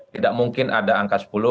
tidak mungkin ada angka sepuluh